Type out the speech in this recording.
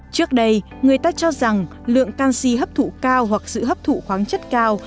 trước đây người ta cho rằng lượng canxi hấp thụ cao hoặc sự hấp thụ khoáng chất cao